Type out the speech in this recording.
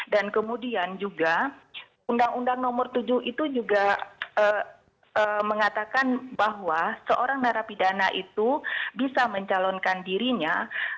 dan kemudian juga undang undang nomor tujuh itu juga mengatakan bahwa seorang narapidana itu bisa mencalonkan dirinya